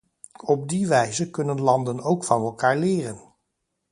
Op die wijze kunnen landen ook van elkaar leren.